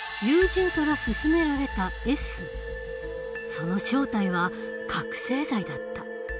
その正体は覚醒剤だった。